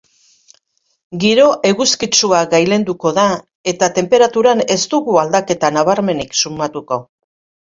Giro eguzkitsua gailenduko da eta tenperaturan ez dugu aldaketa nabarmenik sumatuko.